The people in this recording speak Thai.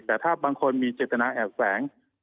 แต่ถ้าบางคนมีเจตนาแอบแฝง